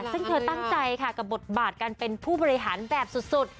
ซึ่งเธอตั้งใจค่ะกับบทบาทการเป็นผู้บริหารแบบสุด